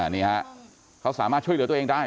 นี่ฮะเขาสามารถช่วยเหลือตัวเองได้